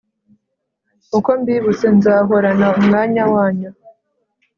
uko mbibutse nzahorana umwanya wanyu